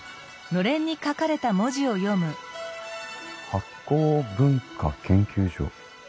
「醗酵文化研究所」。